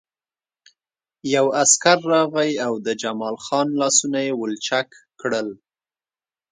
یو عسکر راغی او د جمال خان لاسونه یې ولچک کړل